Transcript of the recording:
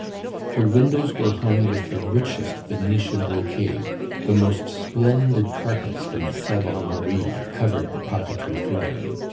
The windows were hung with the richest Venetian brocade; the most splendid carpets from the Savonnerie covered the parquetry flooring.